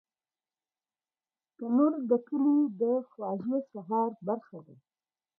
تنور د کلي د خواږه سهار برخه ده